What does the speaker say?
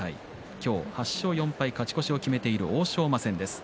今日、８勝４敗と勝ち越しを決めている欧勝馬戦です。